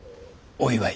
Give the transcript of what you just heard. お祝い？